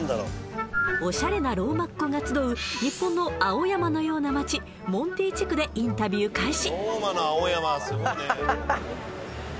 オシャレなローマっ子が集う日本の青山のような街モンティ地区でインタビュー開始